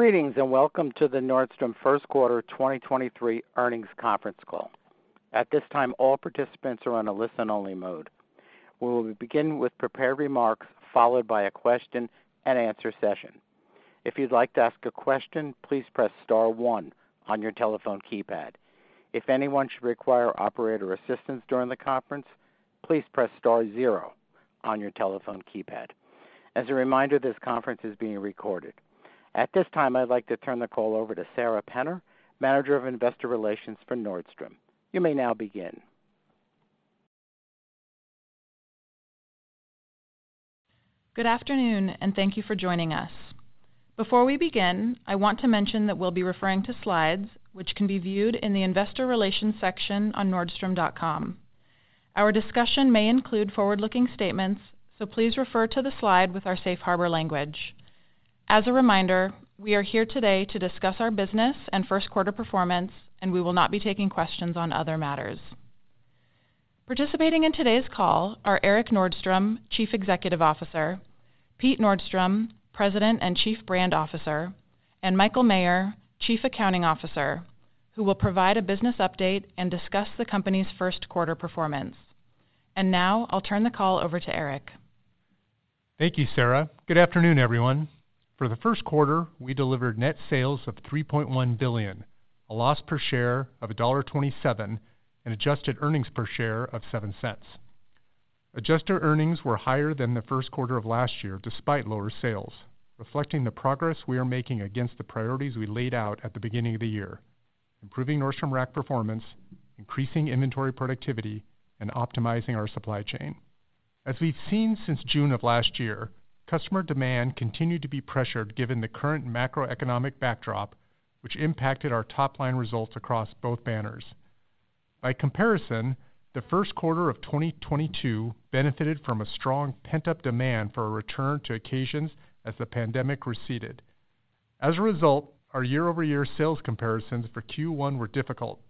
Greetings. Welcome to the Nordstrom First Quarter 2023 Earnings Conference Call. At this time, all participants are on a listen-only mode. We will begin with prepared remarks, followed by a question-and-answer session. If you'd like to ask a question, please press star one on your telephone keypad. If anyone should require operator assistance during the conference, please press star zero on your telephone keypad. As a reminder, this conference is being recorded. At this time, I'd like to turn the call over to Sara Penner, Manager of Investor Relations for Nordstrom. You may now begin. Good afternoon, and thank you for joining us. Before we begin, I want to mention that we'll be referring to slides, which can be viewed in the Investor Relations section on Nordstrom.com. Our discussion may include forward-looking statements, so please refer to the slide with our safe harbor language. As a reminder, we are here today to discuss our business and first quarter performance, and we will not be taking questions on other matters. Participating in today's call are Erik Nordstrom, Chief Executive Officer, Pete Nordstrom, President and Chief Brand Officer, and Michael Maher, Chief Accounting Officer, who will provide a business update and discuss the company's first quarter performance. Now, I'll turn the call over to Erik. Thank you, Sara. Good afternoon, everyone. For the first quarter, we delivered net sales of $3.1 billion, a loss per share of $1.27, and adjusted earnings per share of $0.07. Adjusted earnings were higher than the first quarter of last year, despite lower sales, reflecting the progress we are making against the priorities we laid out at the beginning of the year: improving Nordstrom Rack performance, increasing inventory productivity, and optimizing our supply chain. As we've seen since June of last year, customer demand continued to be pressured given the current macroeconomic backdrop, which impacted our top-line results across both banners. By comparison, the first quarter of 2022 benefited from a strong pent-up demand for a return to occasions as the pandemic receded. As a result, our year-over-year sales comparisons for Q1 were difficult,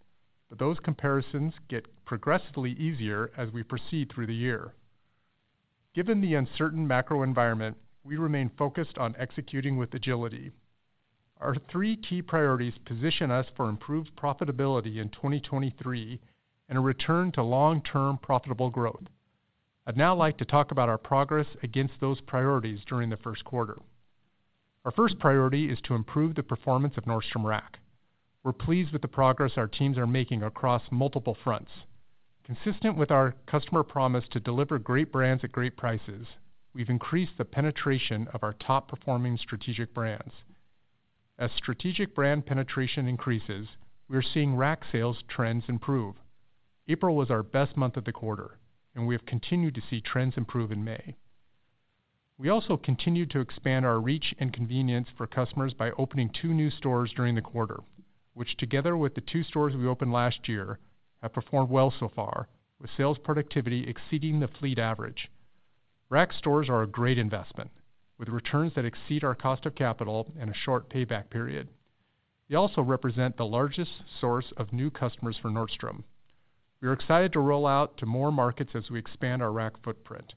but those comparisons get progressively easier as we proceed through the year. Given the uncertain macro environment, we remain focused on executing with agility. Our 3 key priorities position us for improved profitability in 2023 and a return to long-term profitable growth. I'd now like to talk about our progress against those priorities during the 1st quarter. Our 1st priority is to improve the performance of Nordstrom Rack. We're pleased with the progress our teams are making across multiple fronts. Consistent with our customer promise to deliver great brands at great prices, we've increased the penetration of our top-performing strategic brands. As strategic brand penetration increases, we're seeing Rack sales trends improve. April was our best month of the quarter, and we have continued to see trends improve in May. We also continued to expand our reach and convenience for customers by opening 2 new stores during the quarter, which, together with the 2 stores we opened last year, have performed well so far, with sales productivity exceeding the fleet average. Rack stores are a great investment, with returns that exceed our cost of capital and a short payback period. They also represent the largest source of new customers for Nordstrom. We are excited to roll out to more markets as we expand our Rack footprint.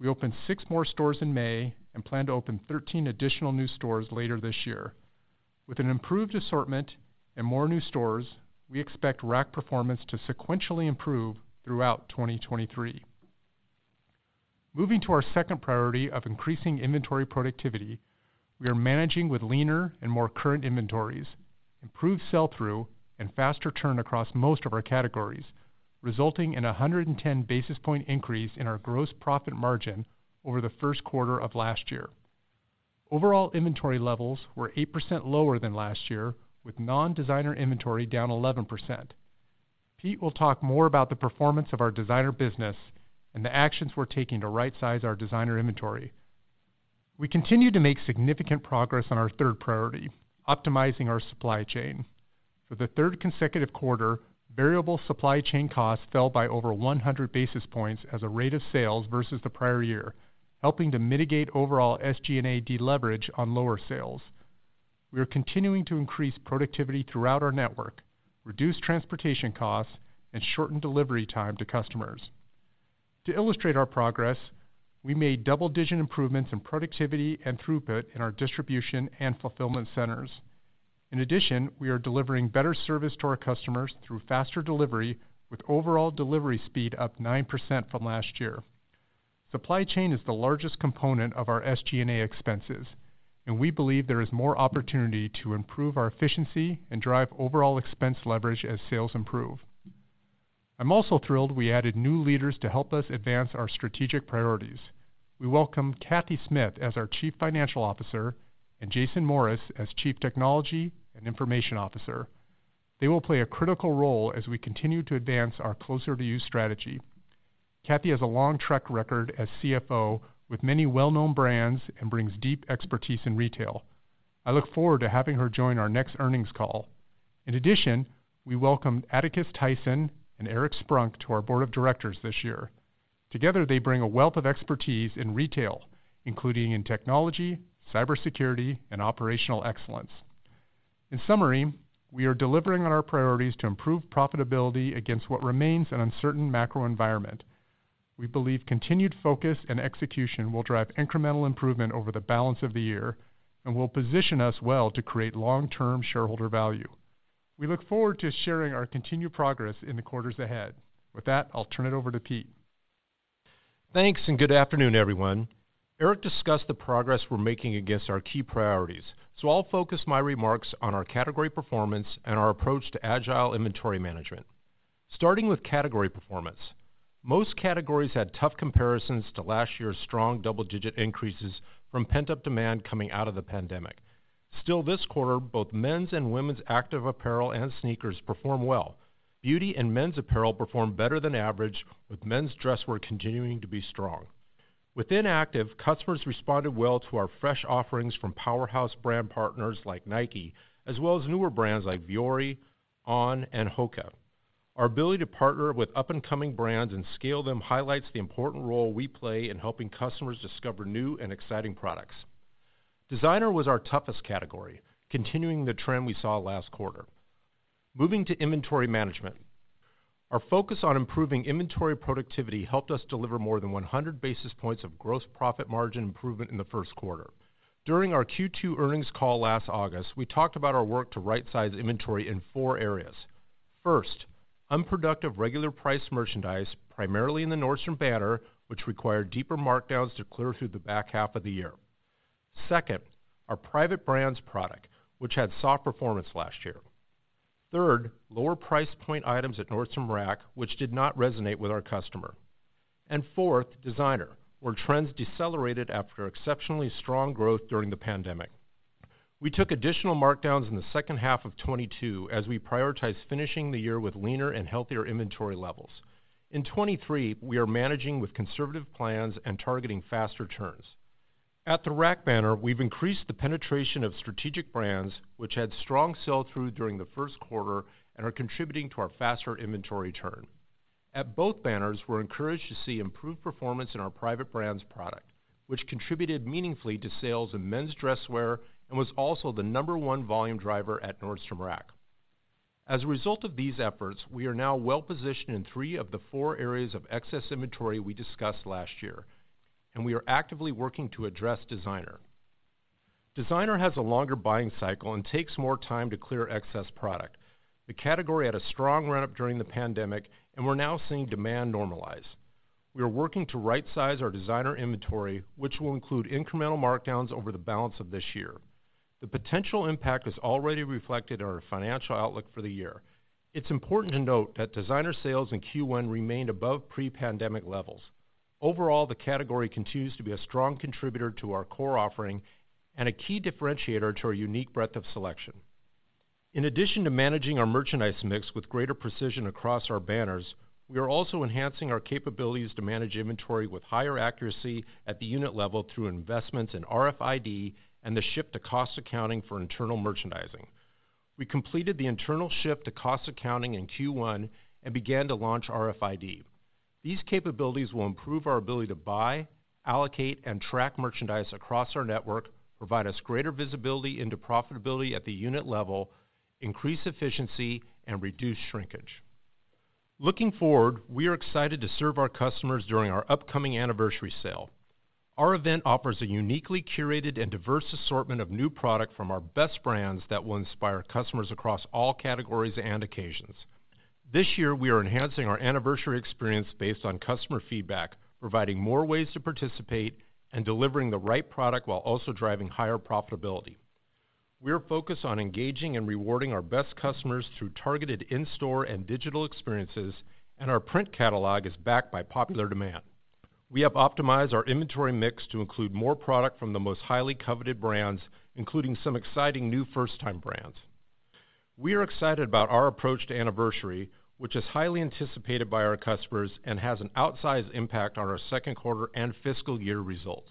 We opened 6 more stores in May and plan to open 13 additional new stores later this year. With an improved assortment and more new stores, we expect Rack performance to sequentially improve throughout 2023. Moving to our second priority of increasing inventory productivity, we are managing with leaner and more current inventories, improved sell-through, and faster turn across most of our categories, resulting in a 110 basis point increase in our gross profit margin over the first quarter of last year. Overall inventory levels were 8% lower than last year, with non-designer inventory down 11%. Pete will talk more about the performance of our designer business and the actions we're taking to rightsize our designer inventory. We continue to make significant progress on our third priority: optimizing our supply chain. For the third consecutive quarter, variable supply chain costs fell by over 100 basis points as a rate of sales versus the prior year, helping to mitigate overall SG&A deleverage on lower sales. We are continuing to increase productivity throughout our network, reduce transportation costs, and shorten delivery time to customers. To illustrate our progress, we made double-digit improvements in productivity and throughput in our distribution and fulfillment centers. We are delivering better service to our customers through faster delivery, with overall delivery speed up 9% from last year. Supply chain is the largest component of our SG&A expenses. We believe there is more opportunity to improve our efficiency and drive overall expense leverage as sales improve. I'm also thrilled we added new leaders to help us advance our strategic priorities. We welcome Cathy Smith as our Chief Financial Officer and Jason Morris as Chief Technology and Information Officer. They will play a critical role as we continue to advance our Closer to You strategy. Cathy has a long track record as CFO with many well-known brands and brings deep expertise in retail. I look forward to having her join our next earnings call. We welcomed Atticus Tysen and Eric Sprunk to our board of directors this year. Together, they bring a wealth of expertise in retail, including in technology, cybersecurity, and operational excellence....We are delivering on our priorities to improve profitability against what remains an uncertain macro environment. We believe continued focus and execution will drive incremental improvement over the balance of the year, and will position us well to create long-term shareholder value. We look forward to sharing our continued progress in the quarters ahead. I'll turn it over to Pete. Thanks, and good afternoon, everyone. Erik Nordstrom discussed the progress we're making against our key priorities, so I'll focus my remarks on our category performance and our approach to agile inventory management. Starting with category performance. Most categories had tough comparisons to last year's strong double-digit increases from pent-up demand coming out of the pandemic. Still this quarter, both men's and women's active apparel and sneakers performed well. Beauty and men's apparel performed better than average, with men's dress wear continuing to be strong. Within active, customers responded well to our fresh offerings from powerhouse brand partners like Nike, as well as newer brands like Vuori, On, and HOKA. Our ability to partner with up-and-coming brands and scale them, highlights the important role we play in helping customers discover new and exciting products. Designer was our toughest category, continuing the trend we saw last quarter. Moving to inventory management. Our focus on improving inventory productivity helped us deliver more than 100 basis points of gross profit margin improvement in the first quarter. During our Q2 earnings call last August, we talked about our work to right-size inventory in four areas. First, unproductive, regular-priced merchandise, primarily in the Nordstrom banner, which required deeper markdowns to clear through the back half of the year. Second, our private brands product, which had soft performance last year. Third, lower price point items at Nordstrom Rack, which did not resonate with our customer. Fourth, designer, where trends decelerated after exceptionally strong growth during the pandemic. We took additional markdowns in the second half of 2022 as we prioritized finishing the year with leaner and healthier inventory levels. In 2023, we are managing with conservative plans and targeting faster turns. At the Rack banner, we've increased the penetration of strategic brands, which had strong sell-through during the first quarter and are contributing to our faster inventory turn. At both banners, we're encouraged to see improved performance in our private brands product, which contributed meaningfully to sales in men's dress wear and was also the number one volume driver at Nordstrom Rack. As a result of these efforts, we are now well-positioned in three of the four areas of excess inventory we discussed last year, and we are actively working to address designer. Designer has a longer buying cycle and takes more time to clear excess product. The category had a strong run-up during the pandemic, and we're now seeing demand normalize. We are working to right-size our designer inventory, which will include incremental markdowns over the balance of this year. The potential impact is already reflected in our financial outlook for the year. It's important to note that designer sales in Q1 remained above pre-pandemic levels. Overall, the category continues to be a strong contributor to our core offering and a key differentiator to our unique breadth of selection. In addition to managing our merchandise mix with greater precision across our banners, we are also enhancing our capabilities to manage inventory with higher accuracy at the unit level through investments in RFID and the ship-to-cost accounting for internal merchandising. We completed the internal ship-to-cost accounting in Q1 and began to launch RFID. These capabilities will improve our ability to buy, allocate, and track merchandise across our network, provide us greater visibility into profitability at the unit level, increase efficiency, and reduce shrinkage. Looking forward, we are excited to serve our customers during our upcoming Anniversary Sale. Our event offers a uniquely curated and diverse assortment of new product from our best brands that will inspire customers across all categories and occasions. This year, we are enhancing our Anniversary experience based on customer feedback, providing more ways to participate, and delivering the right product while also driving higher profitability. We are focused on engaging and rewarding our best customers through targeted in-store and digital experiences, and our print catalog is backed by popular demand. We have optimized our inventory mix to include more product from the most highly coveted brands, including some exciting new first-time brands. We are excited about our approach to Anniversary, which is highly anticipated by our customers and has an outsized impact on our second quarter and fiscal year results.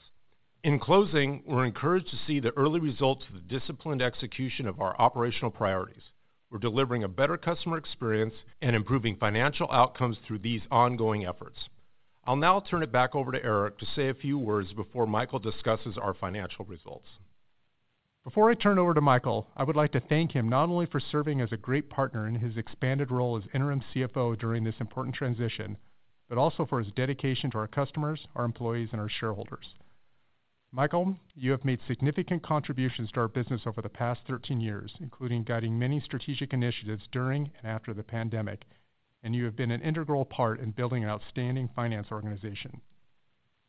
In closing, we're encouraged to see the early results of the disciplined execution of our operational priorities. We're delivering a better customer experience and improving financial outcomes through these ongoing efforts. I'll now turn it back over to Eric to say a few words before Michael discusses our financial results. Before I turn it over to Michael, I would like to thank him, not only for serving as a great partner in his expanded role as interim CFO during this important transition, but also for his dedication to our customers, our employees, and our shareholders. Michael, you have made significant contributions to our business over the past 13 years, including guiding many strategic initiatives during and after the pandemic, and you have been an integral part in building an outstanding finance organization.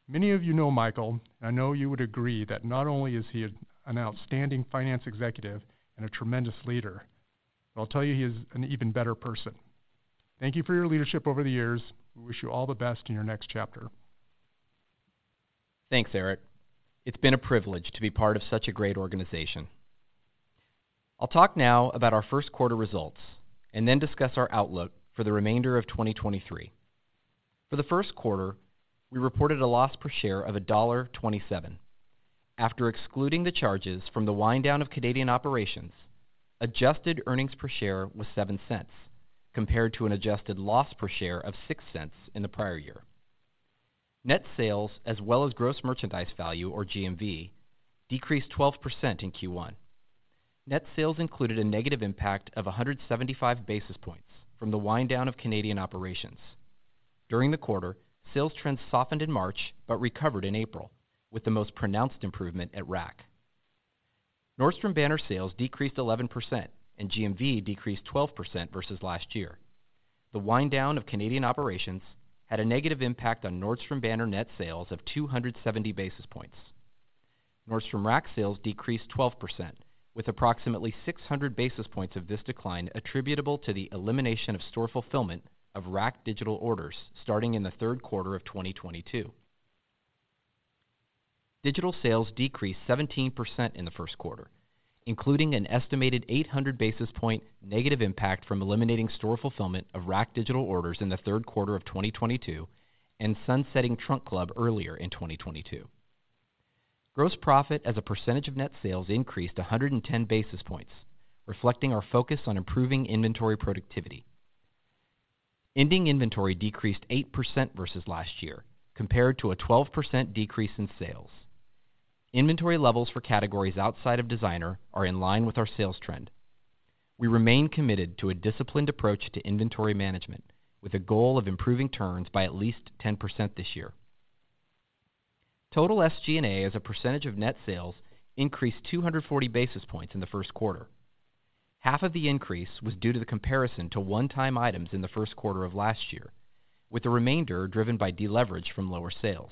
Many of you know Michael, and I know you would agree that not only is he an outstanding finance executive and a tremendous leader, but I'll tell you, he is an even better person. Thank you for your leadership over the years. We wish you all the best in your next chapter. Thanks, Erik Nordstrom. It's been a privilege to be part of such a great organization. I'll talk now about our first quarter results, and then discuss our outlook for the remainder of 2023. For the first quarter, we reported a loss per share of $1.27. After excluding the charges from the wind down of Canadian operations, adjusted earnings per share was $0.07, compared to an adjusted loss per share of $0.06 in the prior year. Net sales, as well as gross merchandise value, or GMV, decreased 12% in Q1. Net sales included a negative impact of 175 basis points from the wind down of Canadian operations. During the quarter, sales trends softened in March, but recovered in April, with the most pronounced improvement at Nordstrom Rack. Nordstrom banner sales decreased 11% and GMV decreased 12% versus last year. The wind down of Canadian operations had a negative impact on Nordstrom banner net sales of 270 basis points. Nordstrom Rack sales decreased 12%, with approximately 600 basis points of this decline attributable to the elimination of store fulfillment of Rack digital orders starting in the third quarter of 2022. Digital sales decreased 17% in the first quarter, including an estimated 800 basis point negative impact from eliminating store fulfillment of Rack digital orders in the third quarter of 2022, and sunsetting Trunk Club earlier in 2022. Gross profit as a percentage of net sales increased 110 basis points, reflecting our focus on improving inventory productivity. Ending inventory decreased 8% versus last year, compared to a 12% decrease in sales. Inventory levels for categories outside of designer are in line with our sales trend. We remain committed to a disciplined approach to inventory management, with a goal of improving turns by at least 10% this year. Total SG&A, as a percentage of net sales, increased 240 basis points in the first quarter. Half of the increase was due to the comparison to one-time items in the first quarter of last year, with the remainder driven by deleverage from lower sales.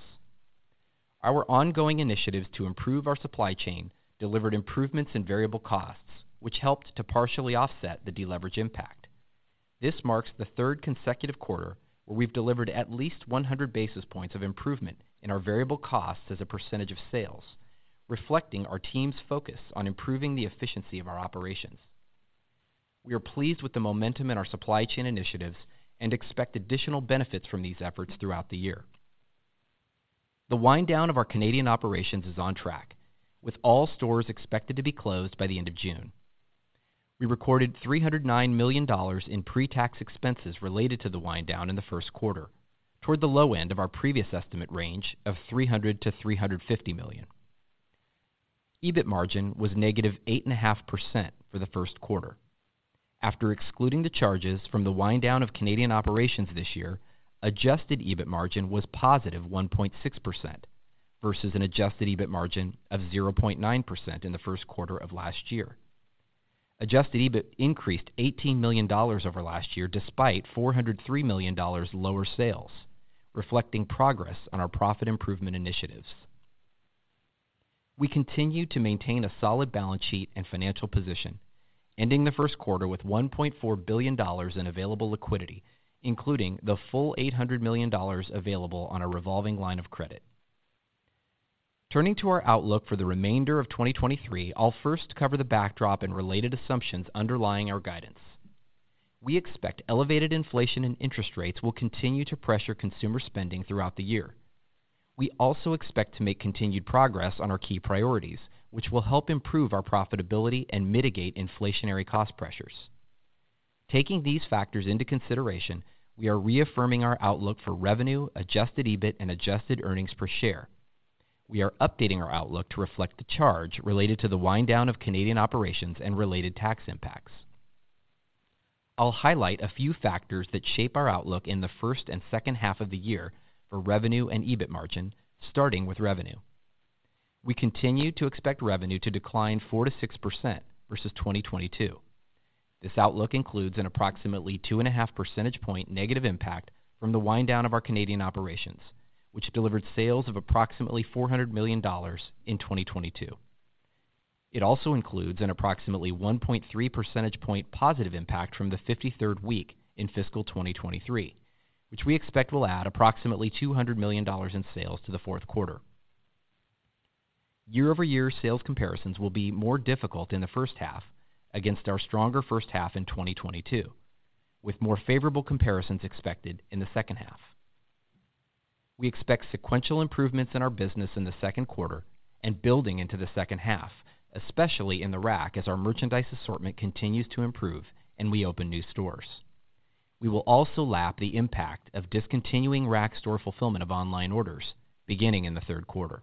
Our ongoing initiatives to improve our supply chain delivered improvements in variable costs, which helped to partially offset the deleverage impact. This marks the third consecutive quarter where we've delivered at least 100 basis points of improvement in our variable costs as a percentage of sales, reflecting our team's focus on improving the efficiency of our operations. We are pleased with the momentum in our supply chain initiatives and expect additional benefits from these efforts throughout the year. The wind down of our Canadian operations is on track, with all stores expected to be closed by the end of June. We recorded $309 million in pre-tax expenses related to the wind down in the first quarter, toward the low end of our previous estimate range of $300 million-$350 million. EBIT margin was negative 8.5% for the first quarter. After excluding the charges from the wind down of Canadian operations this year, adjusted EBIT margin was positive 1.6% versus an adjusted EBIT margin of 0.9% in the first quarter of last year. Adjusted EBIT increased $18 million over last year, despite $403 million lower sales, reflecting progress on our profit improvement initiatives. We continue to maintain a solid balance sheet and financial position, ending the first quarter with $1.4 billion in available liquidity, including the full $800 million available on a revolving line of credit. Turning to our outlook for the remainder of 2023, I'll first cover the backdrop and related assumptions underlying our guidance. We expect elevated inflation and interest rates will continue to pressure consumer spending throughout the year. We also expect to make continued progress on our key priorities, which will help improve our profitability and mitigate inflationary cost pressures. Taking these factors into consideration, we are reaffirming our outlook for revenue, adjusted EBIT, and adjusted earnings per share. We are updating our outlook to reflect the charge related to the wind down of Canadian operations and related tax impacts. I'll highlight a few factors that shape our outlook in the first and second half of the year for revenue and EBIT margin, starting with revenue. We continue to expect revenue to decline 4%-6% versus 2022. This outlook includes an approximately 2.5 percentage point negative impact from the wind down of our Canadian operations, which delivered sales of approximately $400 million in 2022. It also includes an approximately 1.3 percentage point positive impact from the 53rd week in fiscal 2023, which we expect will add approximately $200 million in sales to the fourth quarter. Year-over-year sales comparisons will be more difficult in the first half against our stronger first half in 2022, with more favorable comparisons expected in the second half. We expect sequential improvements in our business in the second quarter and building into the second half, especially in the Rack, as our merchandise assortment continues to improve and we open new stores. We will also lap the impact of discontinuing Rack store fulfillment of online orders beginning in the third quarter.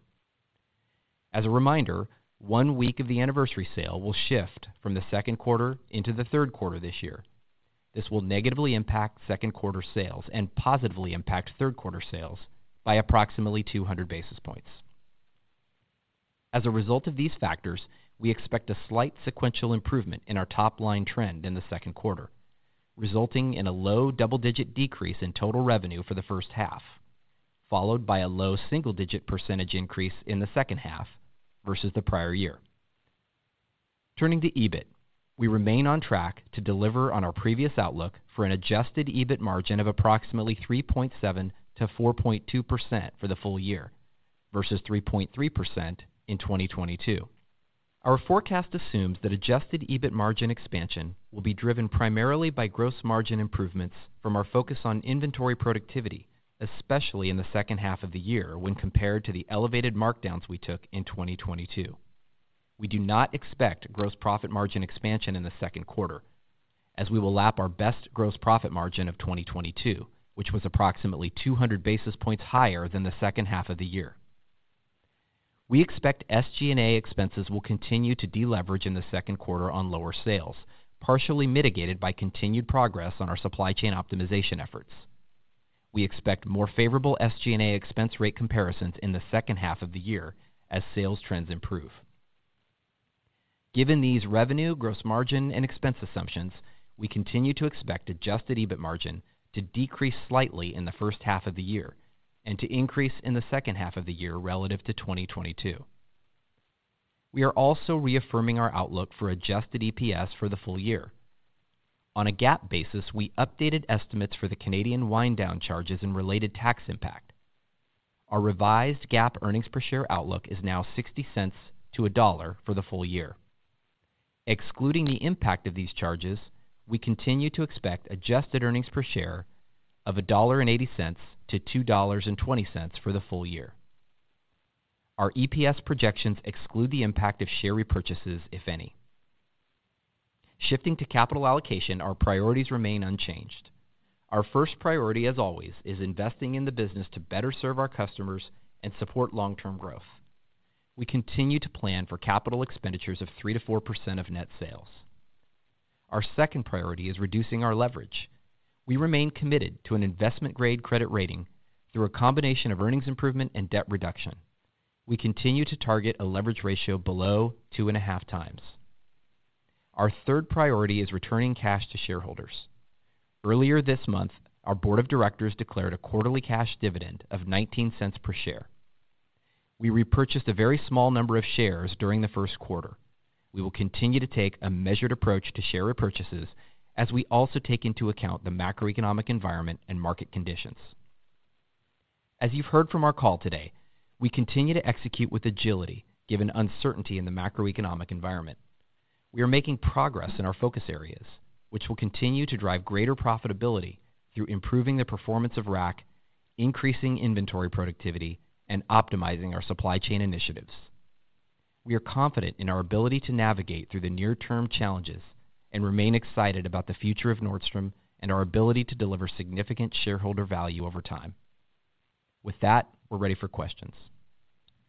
As a reminder, 1 week of the Anniversary Sale will shift from the second quarter into the third quarter this year. This will negatively impact second quarter sales and positively impact third quarter sales by approximately 200 basis points. As a result of these factors, we expect a slight sequential improvement in our top line trend in the second quarter, resulting in a low double-digit decrease in total revenue for the first half, followed by a low single-digit % increase in the second half versus the prior year. Turning to EBIT, we remain on track to deliver on our previous outlook for an adjusted EBIT margin of approximately 3.7%-4.2% for the full year versus 3.3% in 2022. Our forecast assumes that adjusted EBIT margin expansion will be driven primarily by gross margin improvements from our focus on inventory productivity, especially in the second half of the year, when compared to the elevated markdowns we took in 2022. We do not expect gross profit margin expansion in the second quarter, as we will lap our best gross profit margin of 2022, which was approximately 200 basis points higher than the second half of the year. We expect SG&A expenses will continue to deleverage in the second quarter on lower sales, partially mitigated by continued progress on our supply chain optimization efforts. We expect more favorable SG&A expense rate comparisons in the second half of the year as sales trends improve. Given these revenue, gross margin, and expense assumptions, we continue to expect adjusted EBIT margin to decrease slightly in the first half of the year and to increase in the second half of the year relative to 2022. We are also reaffirming our outlook for adjusted EPS for the full year. On a GAAP basis, we updated estimates for the Canadian wind-down charges and related tax impact. Our revised GAAP earnings per share outlook is now $0.60-$1.00 for the full year. Excluding the impact of these charges, we continue to expect adjusted earnings per share of $1.80-$2.20 for the full year. Our EPS projections exclude the impact of share repurchases, if any. Shifting to capital allocation, our priorities remain unchanged. Our 1st priority, as always, is investing in the business to better serve our customers and support long-term growth. We continue to plan for capital expenditures of 3%-4% of net sales. Our 2nd priority is reducing our leverage. We remain committed to an investment-grade credit rating through a combination of earnings improvement and debt reduction. We continue to target a leverage ratio below 2.5 times. Our 3rd priority is returning cash to shareholders. Earlier this month, our board of directors declared a quarterly cash dividend of $0.19 per share. We repurchased a very small number of shares during the 1st quarter. We will continue to take a measured approach to share repurchases as we also take into account the macroeconomic environment and market conditions. As you've heard from our call today, we continue to execute with agility, given uncertainty in the macroeconomic environment. We are making progress in our focus areas, which will continue to drive greater profitability through improving the performance of Rack, increasing inventory productivity, and optimizing our supply chain initiatives. We are confident in our ability to navigate through the near-term challenges and remain excited about the future of Nordstrom and our ability to deliver significant shareholder value over time. With that, we're ready for questions.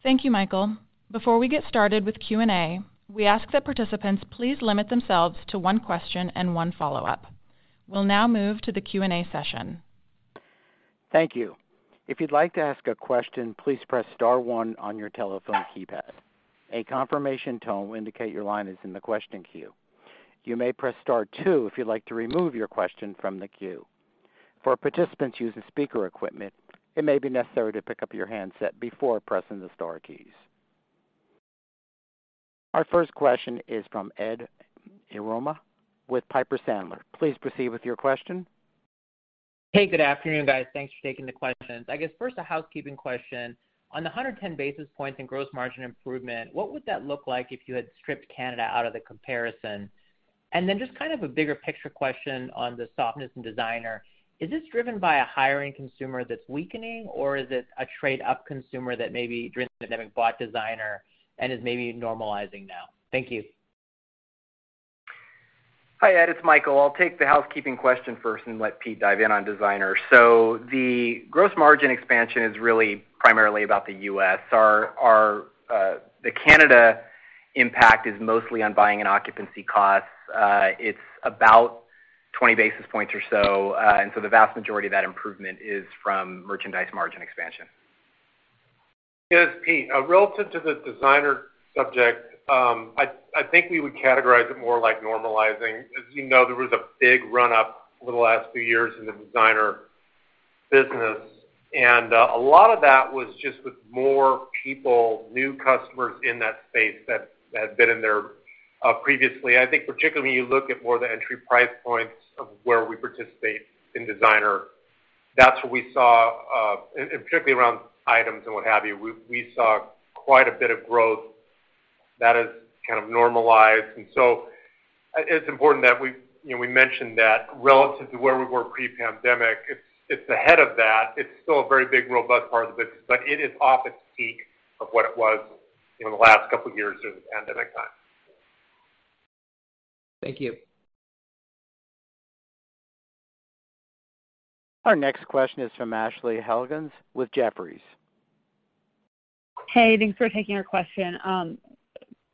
Thank you, Michael. Before we get started with Q&A, we ask that participants please limit themselves to one question and one follow-up. We'll now move to the Q&A session. Thank you. If you'd like to ask a question, please press star one on your telephone keypad. A confirmation tone will indicate your line is in the question queue. You may press star two if you'd like to remove your question from the queue. For participants using speaker equipment, it may be necessary to pick up your handset before pressing the star keys. Our first question is from Edward Yruma with Piper Sandler. Please proceed with your question. Hey, good afternoon, guys. Thanks for taking the questions. I guess, first, a housekeeping question. On the 110 basis points in gross margin improvement, what would that look like if you had stripped Canada out of the comparison? Just kind of a bigger picture question on the softness in designer: Is this driven by a hiring consumer that's weakening, or is it a trade-up consumer that maybe during the pandemic bought designer and is maybe normalizing now? Thank you. Hi, Ed, it's Michael. I'll take the housekeeping question first and let Pete dive in on designer. The gross margin expansion is really primarily about the U.S. The Canada impact is mostly on buying and occupancy costs. It's about 20 basis points or so, the vast majority of that improvement is from merchandise margin expansion. Yes, Pete, relative to the designer subject, I think we would categorize it more like normalizing. As you know, there was a big run-up over the last few years in the designer business, a lot of that was just with more people, new customers in that space that had been in there previously. I think particularly when you look at more the entry price points of where we participate in designer, that's where we saw, and particularly around items and what have you, we saw quite a bit of growth that has kind of normalized. It's important that we, you know, we mention that relative to where we were pre-pandemic, it's ahead of that. It's still a very big, robust part of the business, but it is off its peak of what it was in the last couple of years during the pandemic time. Thank you. Our next question is from Ashley Helgans with Jefferies. Hey, thanks for taking our question.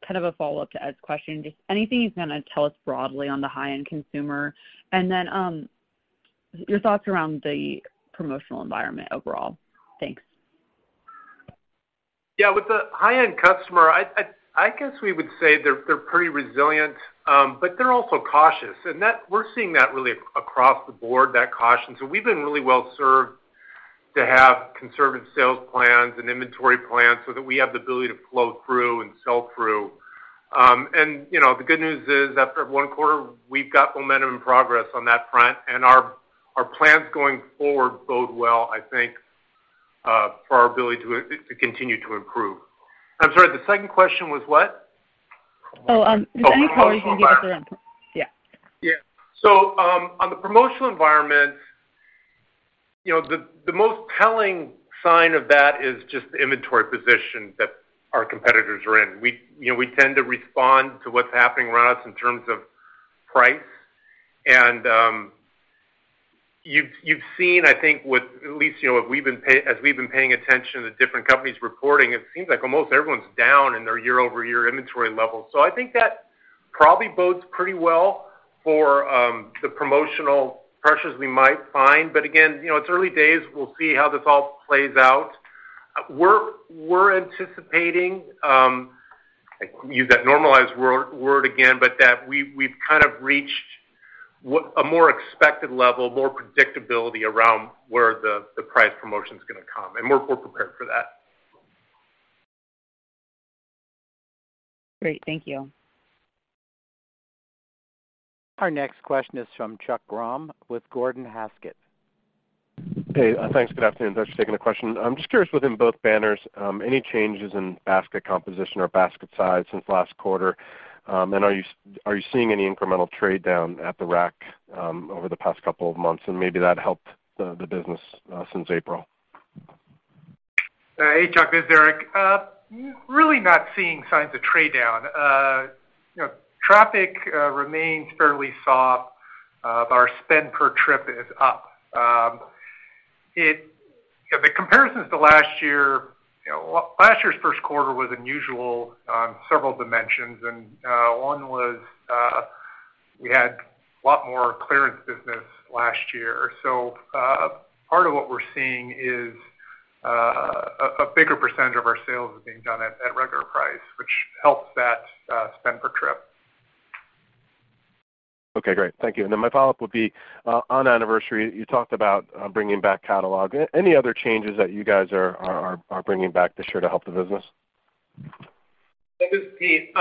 Kind of a follow-up to Ed's question. Just anything you can kind of tell us broadly on the high-end consumer, and then, your thoughts around the promotional environment overall. Thanks. With the high-end customer, I guess we would say they're pretty resilient, but they're also cautious, and that we're seeing that really across the board, that caution. We've been really well served to have conservative sales plans and inventory plans so that we have the ability to flow through and sell through. And, you know, the good news is, after 1 quarter, we've got momentum and progress on that front, and our plans going forward bode well, I think, for our ability to continue to improve. I'm sorry, the second question was what? Is there any color you can give us? Yeah. On the promotional environment. You know, the most telling sign of that is just the inventory position that our competitors are in. We, you know, we tend to respond to what's happening around us in terms of price. You've seen, I think, with at least, you know, what we've been paying attention to different companies reporting, it seems like almost everyone's down in their year-over-year inventory levels. I think that probably bodes pretty well for the promotional pressures we might find. Again, you know, it's early days. We'll see how this all plays out. We're anticipating use that normalized word again, but that we've kind of reached a more expected level, more predictability around where the price promotion is gonna come, and we're prepared for that. Great. Thank you. Our next question is from Chuck Grom with Gordon Haskett. Hey, thanks. Good afternoon. Thanks for taking the question. I'm just curious, within both banners, any changes in basket composition or basket size since last quarter? Are you seeing any incremental trade down at the Rack over the past couple of months, and maybe that helped the business since April? Hey, Chuck, this is Eric. Really not seeing signs of trade down. You know, traffic remains fairly soft. Our spend per trip is up. The comparisons to last year, you know, last year's first quarter was unusual on several dimensions, and one was, we had a lot more clearance business last year. Part of what we're seeing is a bigger % of our sales are being done at regular price, which helps that spend per trip. Okay, great. Thank you. My follow-up would be on Anniversary, you talked about bringing back catalog. Any other changes that you guys are bringing back this year to help the business? This is Pete.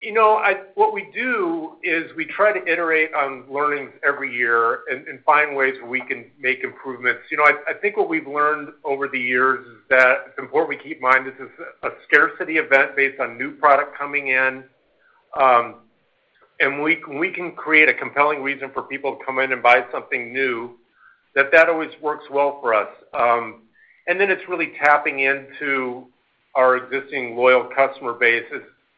You know, what we do is we try to iterate on learnings every year and find ways where we can make improvements. You know, I think what we've learned over the years is that it's important we keep in mind, this is a scarcity event based on new product coming in. We can create a compelling reason for people to come in and buy something new, that always works well for us. It's really tapping into our existing loyal customer base.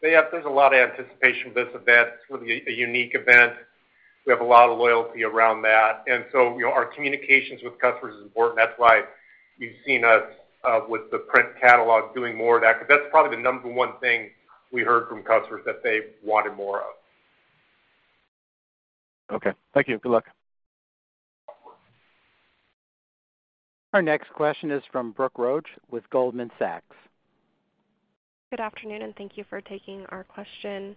There's a lot of anticipation for this event. It's really a unique event. We have a lot of loyalty around that, you know, our communications with customers is important. That's why you've seen us, with the print catalog, doing more of that, because that's probably the number 1 thing we heard from customers that they wanted more of. Okay. Thank you. Good luck. Our next question is from Brooke Roach with Goldman Sachs. Good afternoon. Thank you for taking our question.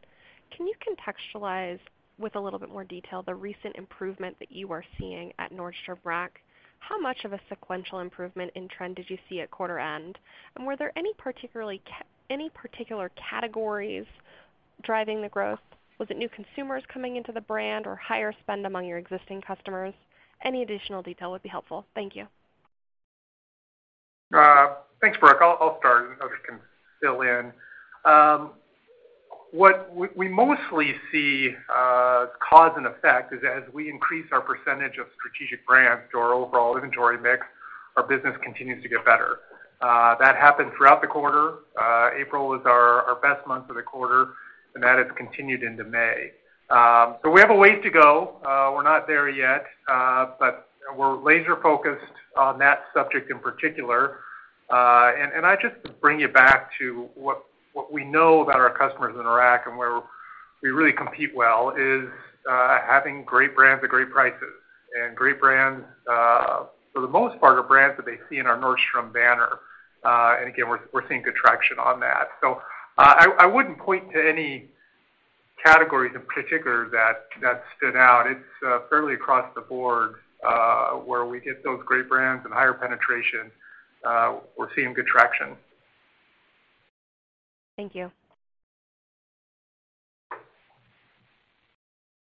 Can you contextualize with a little bit more detail, the recent improvement that you are seeing at Nordstrom Rack? How much of a sequential improvement in trend did you see at quarter end? Were there any particular categories driving the growth? Was it new consumers coming into the brand or higher spend among your existing customers? Any additional detail would be helpful. Thank you. Thanks, Brooke. I'll start, and others can fill in. What we mostly see, cause and effect is as we increase our percentage of strategic brands to our overall inventory mix, our business continues to get better. That happened throughout the quarter. April was our best month of the quarter, and that has continued into May. We have a way to go. We're not there yet, but we're laser-focused on that subject in particular. I just bring you back to what we know about our customers in Nordstrom Rack and where we really compete well is, having great brands at great prices. Great brands, for the most part, are brands that they see in our Nordstrom banner. Again, we're seeing good traction on that. I wouldn't point to any categories in particular that stood out. It's fairly across the board, where we get those great brands and higher penetration, we're seeing good traction. Thank you.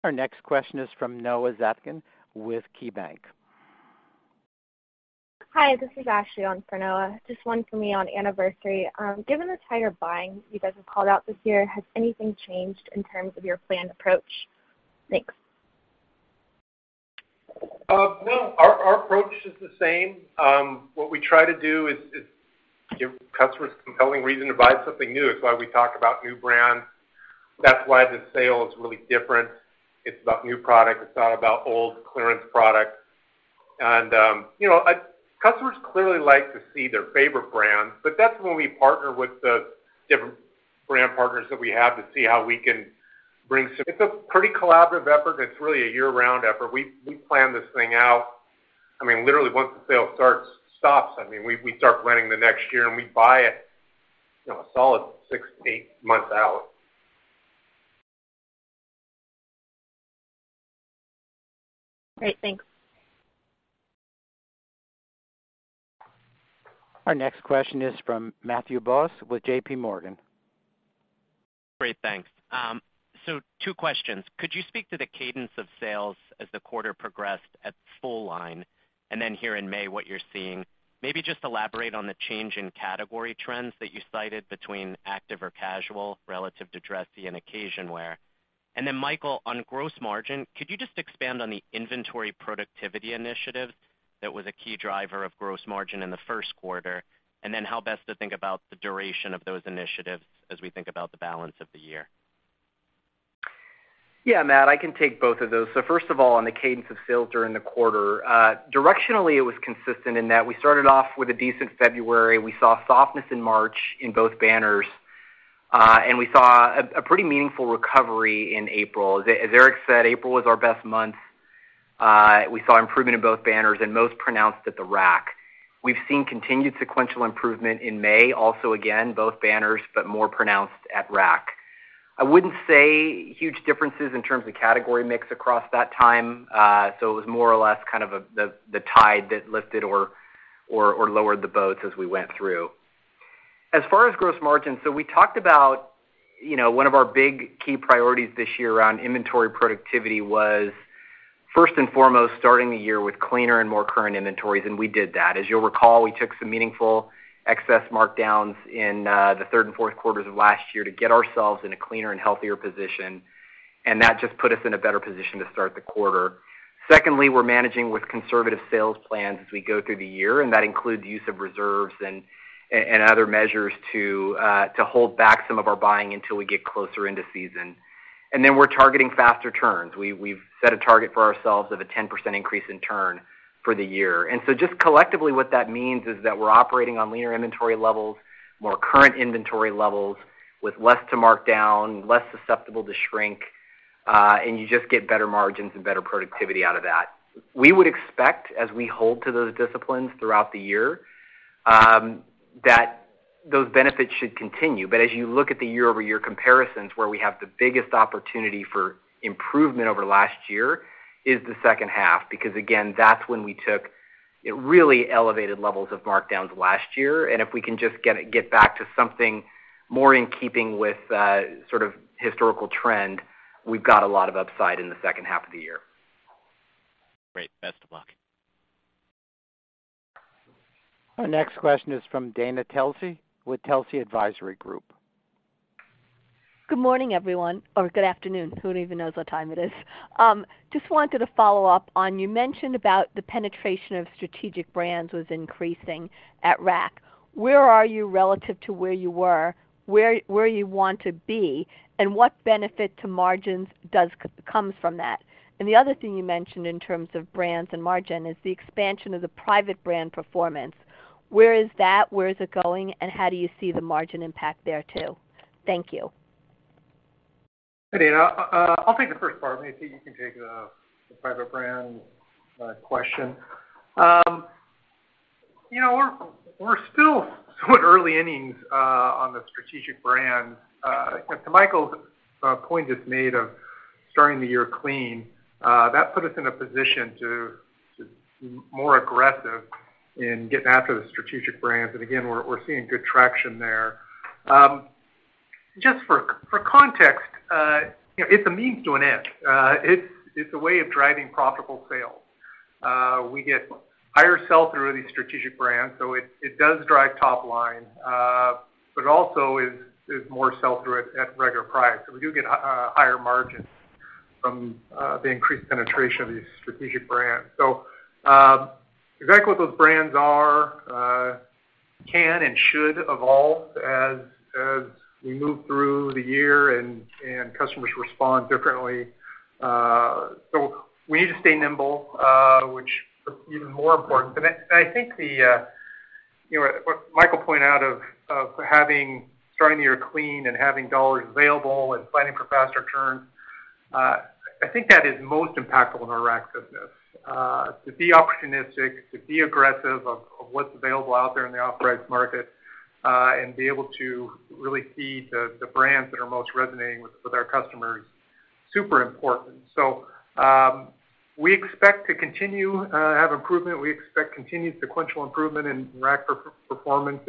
Our next question is from Noah Zatzkin with KeyBanc. Hi, this is Ashley on for Noah. Just one for me on Anniversary. Given the tighter buying you guys have called out this year, has anything changed in terms of your planned approach? Thanks. No, our approach is the same. What we try to do is give customers a compelling reason to buy something new. It's why we talk about new brands. That's why the sale is really different. It's about new products, it's not about old clearance products. You know, customers clearly like to see their favorite brands, but that's when we partner with the different brand partners that we have to see how we can bring some. It's a pretty collaborative effort, and it's really a year-round effort. We plan this thing out. Literally, once the sale starts, stops, we start planning the next year, and we buy it, you know, a solid six to eight months out. Great. Thanks. Our next question is from Matthew Boss with J.P. Morgan. Great, thanks. Two questions. Could you speak to the cadence of sales as the quarter progressed at full line, and then here in May, what you're seeing? Maybe just elaborate on the change in category trends that you cited between active or casual relative to dressy and occasion wear. Michael, on gross margin, could you just expand on the inventory productivity initiatives that was a key driver of gross margin in the first quarter, and then how best to think about the duration of those initiatives as we think about the balance of the year? Yeah, Matt, I can take both of those. First of all, on the cadence of sales during the quarter, directionally, it was consistent in that we started off with a decent February. We saw softness in March in both banners, and we saw a pretty meaningful recovery in April. As Eric said, April was our best month. We saw improvement in both banners and most pronounced at the Rack. We've seen continued sequential improvement in May, also again, both banners, but more pronounced at Rack. I wouldn't say huge differences in terms of category mix across that time, so it was more or less kind of the tide that lifted or lowered the boats as we went through. As far as gross margins, we talked about, you know, one of our big key priorities this year around inventory productivity was, first and foremost, starting the year with cleaner and more current inventories, and we did that. As you'll recall, we took some meaningful excess markdowns in the third and fourth quarters of last year to get ourselves in a cleaner and healthier position, and that just put us in a better position to start the quarter. Secondly, we're managing with conservative sales plans as we go through the year, and that includes use of reserves and other measures to hold back some of our buying until we get closer into season. We're targeting faster turns. We've set a target for ourselves of a 10% increase in turn for the year. Just collectively, what that means is that we're operating on leaner inventory levels, more current inventory levels, with less to mark down, less susceptible to shrink, and you just get better margins and better productivity out of that. We would expect, as we hold to those disciplines throughout the year, that those benefits should continue. As you look at the year-over-year comparisons, where we have the biggest opportunity for improvement over last year, is the second half. Again, that's when we took really elevated levels of markdowns last year, and if we can just get back to something more in keeping with, sort of historical trend, we've got a lot of upside in the second half of the year. Great. Best of luck. Our next question is from Dana Telsey with Telsey Advisory Group. Good morning, everyone, or good afternoon. Who even knows what time it is? Just wanted to follow up on, you mentioned about the penetration of strategic brands was increasing at Rack. Where are you relative to where you were, where you want to be, and what benefit to margins comes from that? The other thing you mentioned in terms of brands and margin, is the expansion of the private brand performance. Where is that? Where is it going? And how do you see the margin impact there, too? Thank you. Hey, Dana, I'll take the first part. Maybe you can take the private brand question. You know, we're still early innings on the strategic brand. To Michael's point just made of starting the year clean, that put us in a position to be more aggressive in getting after the strategic brands. Again, we're seeing good traction there. Just for context, you know, it's a means to an end. It's a way of driving profitable sales. We get higher sell-through of these strategic brands, so it does drive top line, but also is more sell-through at regular price. We do get higher margins from the increased penetration of these strategic brands. Exactly what those brands are, can and should evolve as we move through the year and customers respond differently. We need to stay nimble, which is even more important. I think the, you know, what Michael pointed out of starting the year clean and having dollars available and planning for faster turns, I think that is most impactful in our Rack business. To be opportunistic, to be aggressive of what's available out there in the authorized market, and be able to really see the brands that are most resonating with our customers, super important. We expect to continue have improvement. We expect continued sequential improvement in Rack per-performance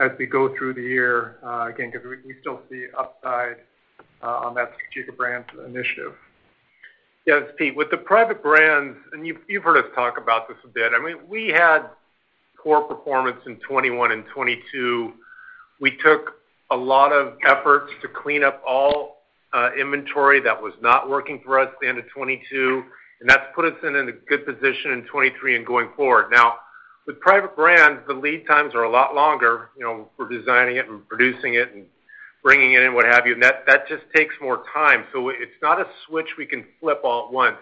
as we go through the year, again, because we still see upside on that strategic brands initiative. Yes, Pete, with the private brands, and you've heard us talk about this a bit. I mean, we had poor performance in 2021 and 2022. We took a lot of efforts to clean up all inventory that was not working for us at the end of 2022, and that's put us in a good position in 2023 and going forward. Now, with private brands, the lead times are a lot longer. You know, we're designing it and producing it and bringing it in, what have you. That just takes more time, so it's not a switch we can flip all at once.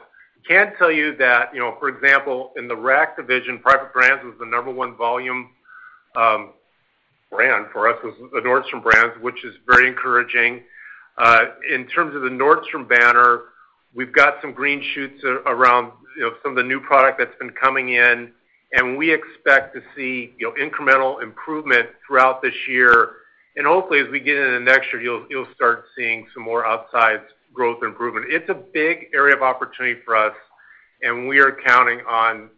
I can tell you that, you know, for example, in the Rack division, private brands was the number one volume brand for us, was the Nordstrom Made, which is very encouraging. In terms of the Nordstrom banner, we've got some green shoots around, you know, some of the new product that's been coming in. We expect to see, you know, incremental improvement throughout this year. Hopefully, as we get into next year, you'll start seeing some more upside growth improvement. It's a big area of opportunity for us. We are counting on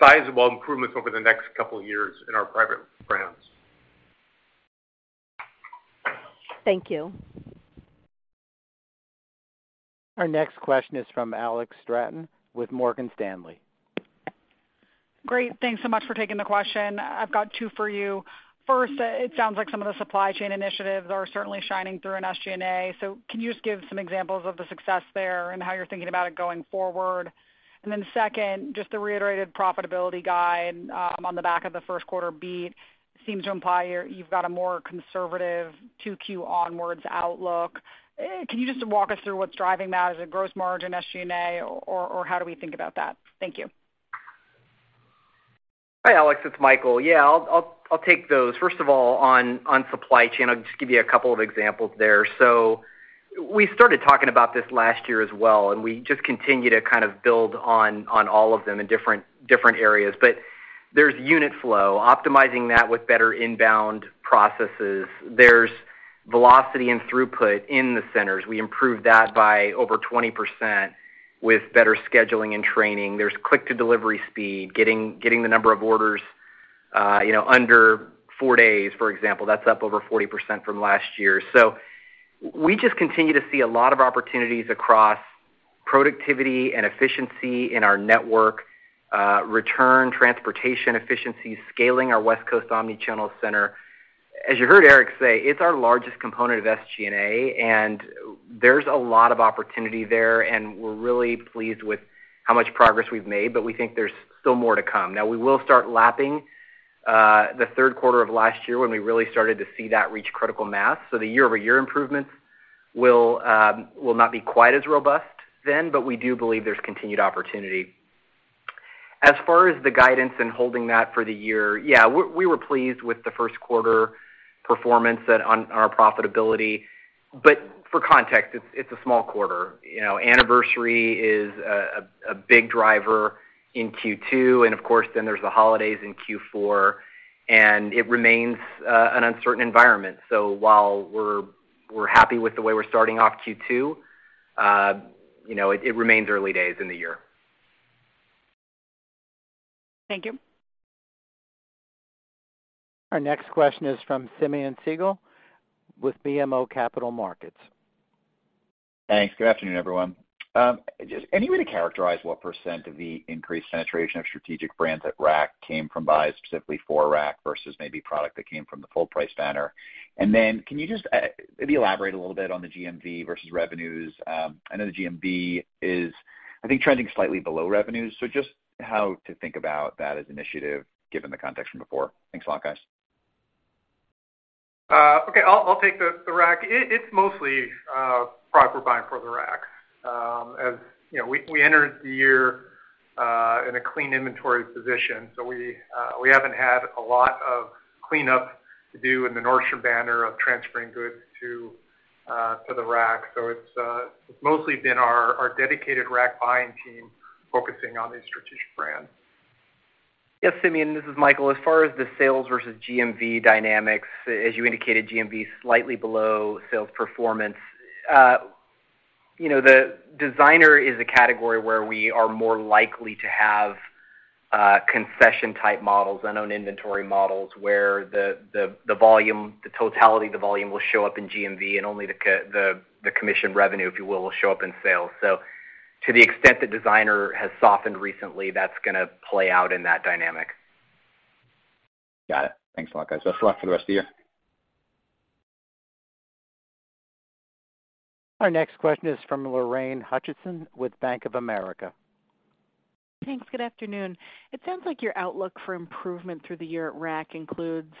sizable improvements over the next couple of years in our private brands. Thank you. Our next question is from Alex Straton with Morgan Stanley. Great. Thanks so much for taking the question. I've got 2 for you. First, it sounds like some of the supply chain initiatives are certainly shining through in SG&A. Can you just give some examples of the success there and how you're thinking about it going forward? Then second, just the reiterated profitability guide on the back of the first quarter beat, seems to imply you've got a more conservative 2Q onwards outlook. Can you just walk us through what's driving that? Is it gross margin, SG&A, or how do we think about that? Thank you. Hi, Alex, it's Michael. Yeah, I'll take those. First of all, on supply chain, I'll just give you a couple of examples there. We started talking about this last year as well, and we just continue to kind of build on all of them in different areas. There's unit flow, optimizing that with better inbound processes. There's velocity and throughput in the centers. We improved that by over 20% with better scheduling and training. There's click-to-delivery speed, getting the number of orders, you know, under four days, for example. That's up over 40% from last year. We just continue to see a lot of opportunities across productivity and efficiency in our network, return transportation efficiency, scaling our West Coast omnichannel center. As you heard Erik say, it's our largest component of SG&A, and there's a lot of opportunity there, and we're really pleased with how much progress we've made, but we think there's still more to come. Now, we will start lapping the third quarter of last year when we really started to see that reach critical mass, so the year-over-year improvements will not be quite as robust then, but we do believe there's continued opportunity. As far as the guidance and holding that for the year, yeah, we were pleased with the first quarter performance at our profitability, but for context, it's a small quarter. You know, Anniversary Sale is a, a big driver in Q2, and of course, then there's the holidays in Q4, and it remains an uncertain environment. While we're happy with the way we're starting off Q2, you know, it remains early days in the year. Thank you. Our next question is from Simeon Siegel with BMO Capital Markets. Thanks. Good afternoon, everyone. Just any way to characterize what % of the increased penetration of strategic brands at Rack came from buys specifically for Rack versus maybe product that came from the full price banner? Then can you just, maybe elaborate a little bit on the GMV versus revenues? I know the GMV is, I think, trending slightly below revenues, so just how to think about that as initiative, given the context from before. Thanks a lot, guys. Okay, I'll take the Rack. It, it's mostly product we're buying for the Rack. As, you know, we entered the year in a clean inventory position, so we haven't had a lot of cleanup to do in the Nordstrom banner of transferring goods to the Rack. It's mostly been our dedicated Rack buying team focusing on these strategic brands. Yes, Simeon, this is Michael. As far as the sales versus GMV dynamics, as you indicated, GMV is slightly below sales performance. You know, the designer is a category where we are more likely to have concession-type models and own inventory models, where the volume, the totality of the volume will show up in GMV, and only the commission revenue, if you will show up in sales. To the extent the designer has softened recently, that's gonna play out in that dynamic. Got it. Thanks a lot, guys. Best of luck for the rest of the year. Our next question is from Lorraine Hutchinson with Bank of America. Thanks. Good afternoon. It sounds like your outlook for improvement through the year at Rack includes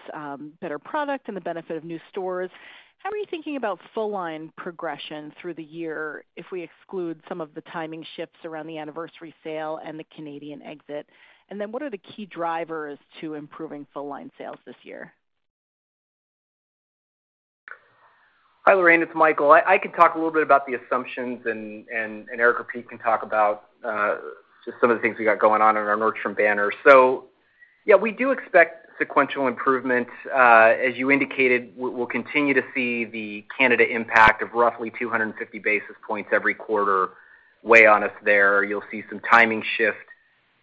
better product and the benefit of new stores. How are you thinking about full line progression through the year, if we exclude some of the timing shifts around the Anniversary Sale and the Canadian exit? What are the key drivers to improving full line sales this year? Hi, Lorraine, it's Michael. I can talk a little bit about the assumptions, and Eric or Pete can talk about just some of the things we got going on in our Nordstrom banner. Yeah, we do expect sequential improvements. As you indicated, we'll continue to see the Canada impact of roughly 250 basis points every quarter weigh on us there. You'll see some timing shift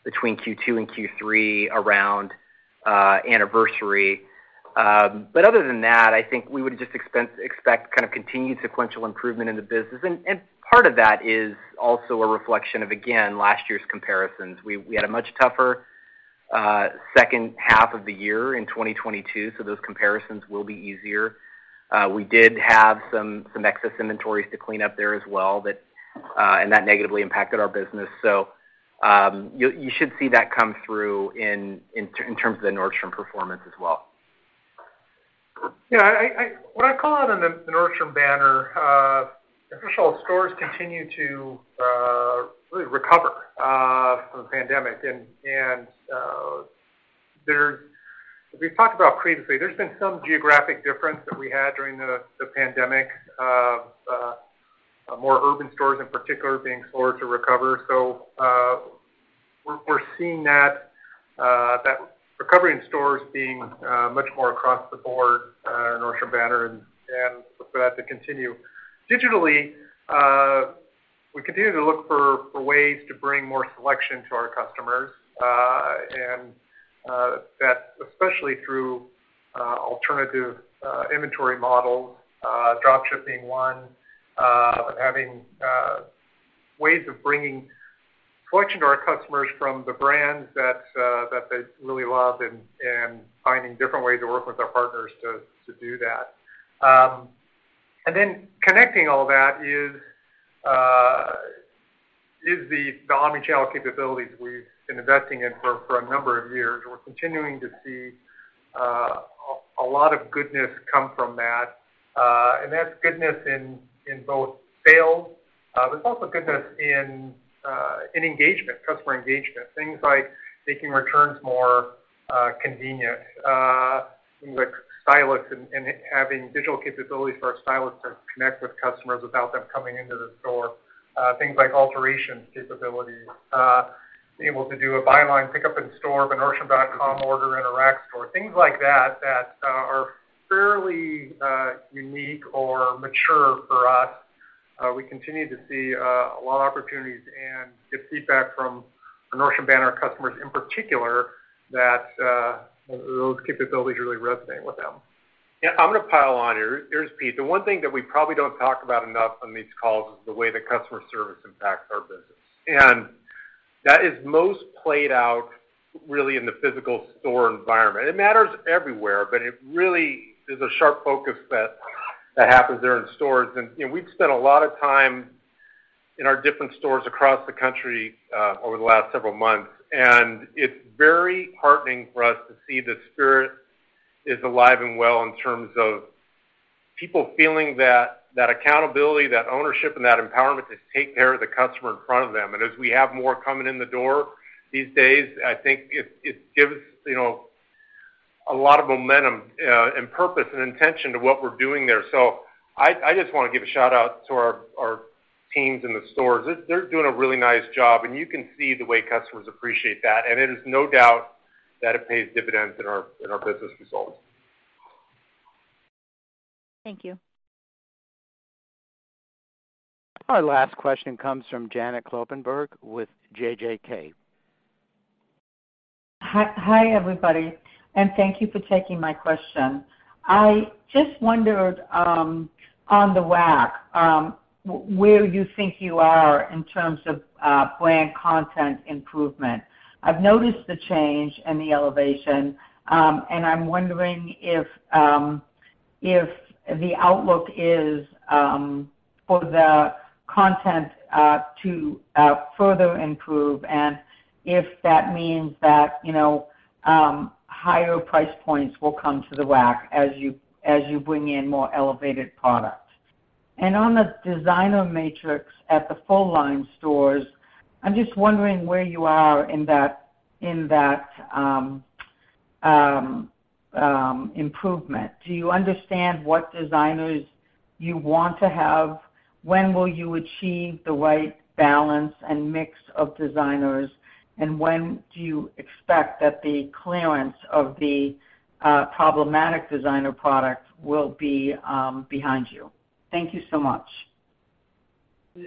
between Q2 and Q3 around Anniversary Sale. Other than that, I think we would just expect kind of continued sequential improvement in the business. Part of that is also a reflection of, again, last year's comparisons. We had a much tougher second half of the year in 2022, so those comparisons will be easier. We did have some excess inventories to clean up there as well, that negatively impacted our business. You should see that come through in terms of the Nordstrom performance as well. Yeah, what I call out on the Nordstrom banner, official stores continue to really recover from the pandemic. We've talked about previously, there's been some geographic difference that we had during the pandemic, more urban stores in particular, being slower to recover. We're seeing that recovery in stores being much more across the board, Nordstrom banner, and look for that to continue. Digitally, we continue to look for ways to bring more selection to our customers, and that especially through alternative inventory model, drop shipping one, and having ways of bringing selection to our customers from the brands that they really love and finding different ways to work with our partners to do that. Then connecting all that is the omni-channel capabilities we've been investing in for a number of years. We're continuing to see a lot of goodness come from that. That's goodness in both sales, but also goodness in engagement, customer engagement. Things like making returns more convenient, things like stylists and having digital capabilities for our stylists to connect with customers without them coming into the store. Things like alteration capabilities. Being able to do a buy online pick up in store, but Nordstrom.com order in a Rack store. Things like that are fairly unique or mature for us. We continue to see a lot of opportunities and get feedback from Nordstrom, our customers in particular, that those capabilities really resonate with them. Yeah, I'm gonna pile on here. Here's Pete. The one thing that we probably don't talk about enough on these calls is the way that customer service impacts our business. That is most played out really in the physical store environment. It matters everywhere, but it really is a sharp focus that happens there in stores. You know, we've spent a lot of time in our different stores across the country over the last several months, and it's very heartening for us to see the spirit is alive and well in terms of people feeling that accountability, that ownership, and that empowerment to take care of the customer in front of them. As we have more coming in the door these days, I think it gives, you know, a lot of momentum and purpose and intention to what we're doing there. I just wanna give a shout-out to our teams in the stores. They're doing a really nice job, and you can see the way customers appreciate that, and it is no doubt that it pays dividends in our business results. Thank you. Our last question comes from Janet Kloppenburg with JJK. Hi, everybody, and thank you for taking my question. I just wondered where you think you are in terms of brand content improvement. I've noticed the change and the elevation, and I'm wondering if the outlook is for the content to further improve and if that means that, you know, higher price points will come to the Rack as you bring in more elevated products. On the designer matrix at the full-line stores, I'm just wondering where you are in that improvement. Do you understand what designers you want to have? When will you achieve the right balance and mix of designers? When do you expect that the clearance of the problematic designer products will be behind you? Thank you so much.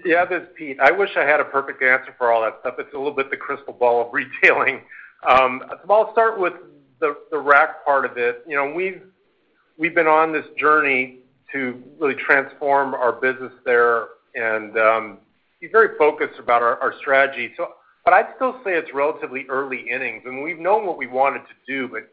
Yeah, this is Pete. I wish I had a perfect answer for all that stuff. It's a little bit the crystal ball of retailing. Well, I'll start with the Rack part of it. You know, we've been on this journey to really transform our business there and be very focused about our strategy. I'd still say it's relatively early innings, and we've known what we wanted to do, but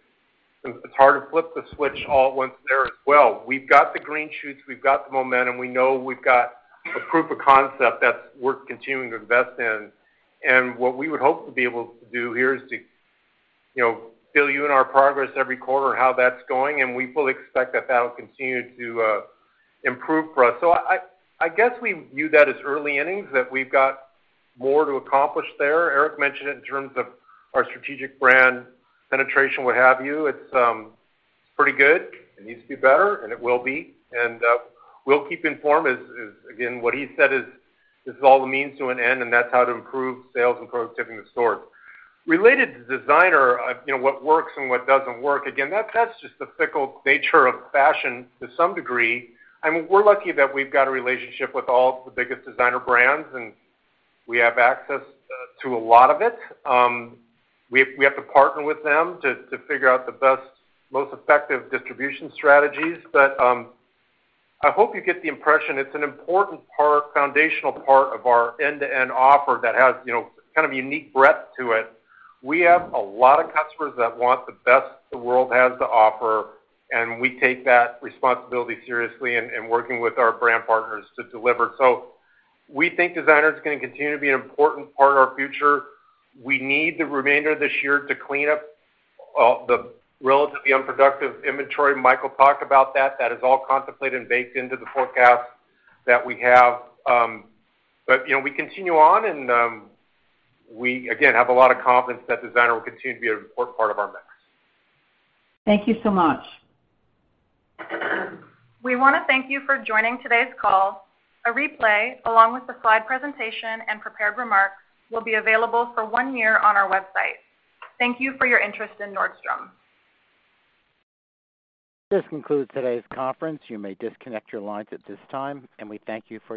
it's hard to flip the switch all at once there as well. We've got the green shoots, we've got the momentum, we know we've got a proof of concept that we're continuing to invest in. What we would hope to be able to do here is to, you know, fill you in our progress every quarter on how that's going, and we fully expect that that will continue to improve for us. I guess we view that as early innings, that we've got more to accomplish there. Erik mentioned it in terms of our strategic brand penetration, what have you. It's pretty good. It needs to be better, and it will be, and we'll keep you informed as again, what he said is, this is all a means to an end, and that's how to improve sales and productivity in the store. Related to designer, you know, what works and what doesn't work, again, that's just the fickle nature of fashion to some degree. I mean, we're lucky that we've got a relationship with all the biggest designer brands, and we have access to a lot of it. We have to partner with them to figure out the best, most effective distribution strategies. I hope you get the impression it's an important part, foundational part of our end-to-end offer that has, you know, kind of a unique breadth to it. We have a lot of customers that want the best the world has to offer, and we take that responsibility seriously and working with our brand partners to deliver. We think designer is gonna continue to be an important part of our future. We need the remainder of this year to clean up the relatively unproductive inventory. Michael talked about that. That is all contemplated and baked into the forecast that we have. You know, we continue on, and we again, have a lot of confidence that designer will continue to be an important part of our mix. Thank you so much. We wanna thank you for joining today's call. A replay, along with the slide presentation and prepared remarks, will be available for one year on our website. Thank you for your interest in Nordstrom. This concludes today's conference. You may disconnect your lines at this time. We thank you for your participation.